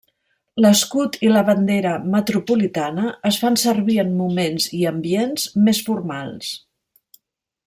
L'escut i la bandera metropolitana es fan servir en moments i ambients més formals.